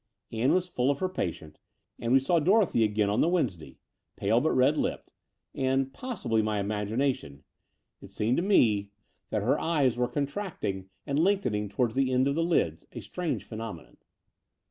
Ann was f uU of her patient ; and we saw Dorothy again on the Wednesday, pale but red lipped, and — possibly my imagination — ^it seemed to me that 13 178 The Door of the Unreal her eyes were contracting and lengthening towards the ends of the lids, a strange phenomenon.